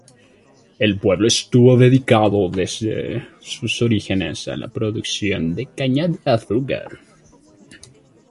El pueblo estuvo dedicado desde sus orígenes a la producción de caña de azúcar.